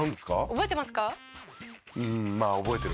覚えてますか？